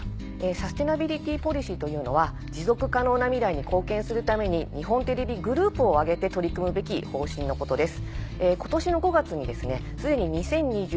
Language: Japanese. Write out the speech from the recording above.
サステナビリティポリシーというのは持続可能な未来に貢献するために日本テレビグループをあげて取り組むべき方針のことです。